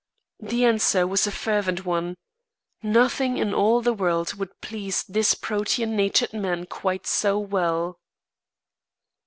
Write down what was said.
The answer was a fervent one. Nothing in all the world would please this protean natured man quite so well.